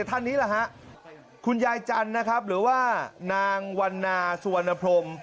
ท่านนี้แหละฮะคุณยายจันทร์นะครับหรือว่านางวันนาสุวรรณพรม